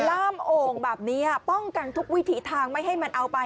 ล่ามโอ่งแบบนี้ป้องกันทุกวิถีทางไม่ให้มันเอาไป